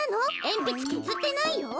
えんぴつけずってないよ。